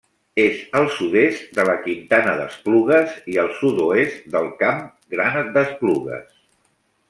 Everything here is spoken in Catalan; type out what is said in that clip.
És al sud-est de la Quintana d'Esplugues i al sud-oest del Camp Gran d'Esplugues.